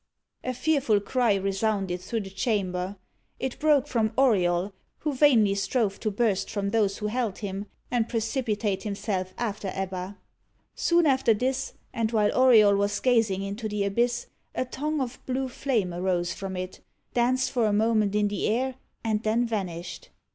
A fearful cry resounded through the chamber. It broke from Auriol, who vainly strove to burst from those who held him, and precipitate himself after Ebba. Soon after this, and while Auriol was gazing into the abyss, a tongue of blue flame arose from it, danced for a moment in the air, and then vanished.